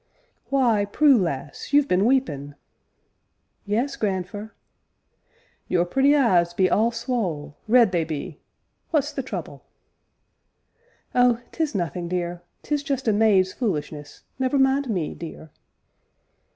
"Why, Prue, lass, you've been weepin'!" "Yes, grandfer." "Your pretty eyes be all swole red they be; what's the trouble?" "Oh! 'tis nothing, dear, 'tis just a maid's fulishness never mind me, dear."